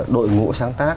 đội ngũ sáng tác